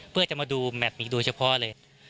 เพื่อจะมาดูแมทนี้โดยเฉพาะเลย